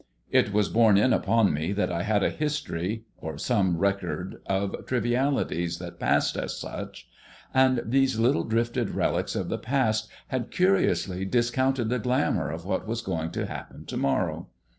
It was borne in upon me that I had a history, or some record of trivialities that passed as such; and these little drifted relics of the past had curiously discounted the glamour of what was going to happen to morrow.